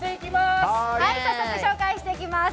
早速、紹介していきます。